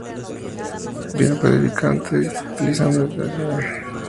Bill Sienkiewicz fue dibujante, utilizando un estilo pictórico con referencias fotográficas.